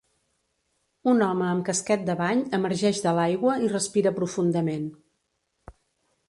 Un home amb casquet de bany emergeix de l'aigua i respira profundament.